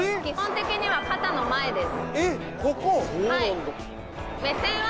基本的には肩の前です。